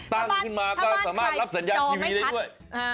ตั้งขึ้นมาก็สามารถรับสัญญาณทีวีได้ด้วย